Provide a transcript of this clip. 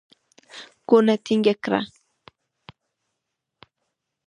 کونه ټينګه کړه.